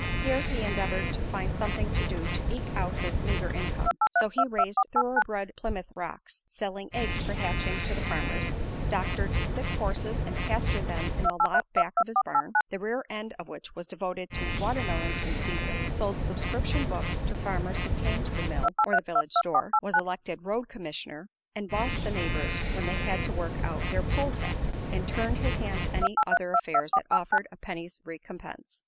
Here he endeavored to find something to do to eke out his meagre income; so he raised "thoroughbred Plymouth Rocks," selling eggs for hatching to the farmers; doctored sick horses and pastured them in the lot back of his barn, the rear end of which was devoted to "watermelons in season"; sold subscription books to farmers who came to the mill or the village store; was elected "road commissioner" and bossed the neighbors when they had to work out their poll tax, and turned his hand to any other affairs that offered a penny's recompense.